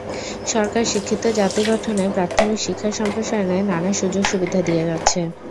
সরকার শিক্ষিত জাতি গঠনে প্রাথমিক শিক্ষা সম্প্রসারণে নানা সুযোগ-সুবিধা দিয়ে যাচ্ছে।